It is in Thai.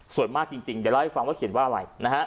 สวยมากจริงจะเล่าให้ฟังว่าเขียนว่าอะไร